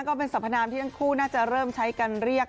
ก็เป็นสรรพนามที่ทั้งคู่น่าจะเริ่มใช้กันเรียก